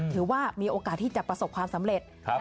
ถือว่ามีโอกาสที่จะประสบความสำเร็จ